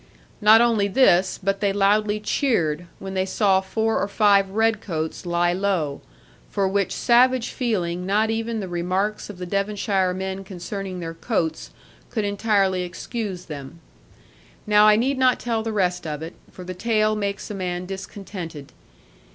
Not only this, but they loudly cheered, when they saw four or five red coats lie low; for which savage feeling not even the remarks of the Devonshire men concerning their coats could entirely excuse them. Now I need not tell the rest of it, for the tale makes a man discontented.